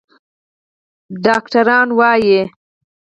ډاکتران وايي